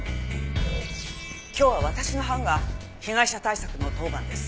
今日は私の班が被害者対策の当番です。